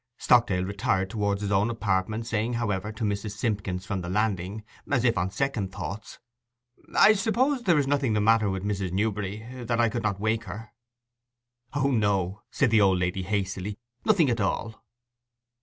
Stockdale retired towards his own apartment, saying, however, to Mrs. Simpkins from the landing, as if on second thoughts, 'I suppose there is nothing the matter with Mrs. Newberry, that I could not wake her?' 'O no,' said the old lady hastily. 'Nothing at all.